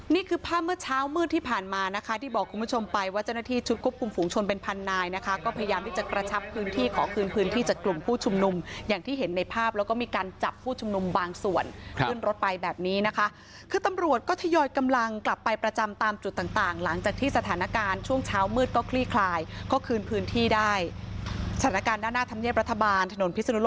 นี่คือภาพเมื่อเช้ามืดที่ผ่านมานะคะที่บอกคุณผู้ชมไปว่าเจ้าหน้าที่ชุดกุบกลุ่มฝูงชนเป็นพันนายนะคะก็พยายามที่จะกระชับพื้นที่ขอคืนพื้นที่จากกลุ่มผู้ชมนุมอย่างที่เห็นในภาพแล้วก็มีการจับผู้ชมนุมบางส่วนขึ้นรถไปแบบนี้นะคะคือตำรวจก็ทยอยกำลังกลับไปประจำตามจุดต่างต่างหลังจากที่